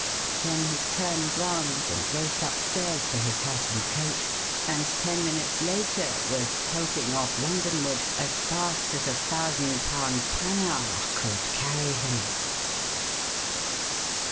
Then he turned round and raced upstairs for his hat and coat, and ten minutes later was pelting off London ward as fast as a £1,000 Panhard could carry him.